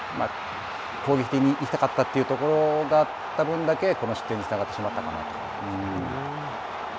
攻撃的に行きたかったというところがあった分だけ、この失点につながってしまったのかなと。